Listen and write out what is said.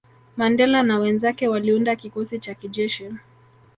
Mandela na wenzake waliunda kikosi cha kijeshi